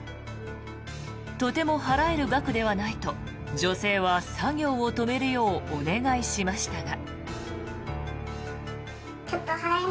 とても払える額ではないと女性は作業を止めるようお願いしましたが。